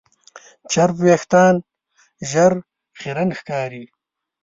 چرب وېښتيان ژر خیرن ښکاري.